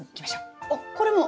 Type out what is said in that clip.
あっこれも？